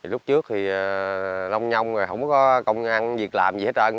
lúc trước thì lông nhông rồi không có công an việc làm gì hết trơn